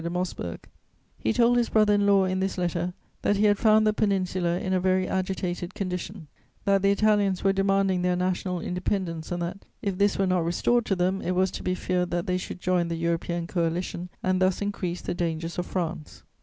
de Mosbourg: he told his brother in law in this letter that he had found the Peninsula in a very agitated condition, that the Italians were demanding their national independence and that, if this were not restored to them, it was to be feared that they should join the European Coalition and thus increase the dangers of France.